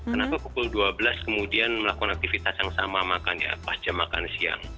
kenapa pukul dua belas kemudian melakukan aktivitas yang sama makan ya pas jam makan siang